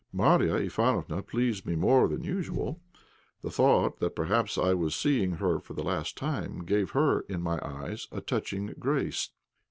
Marya Ivánofna pleased me more than usual. The thought that perhaps I was seeing her for the last time gave her, in my eyes, a touching grace.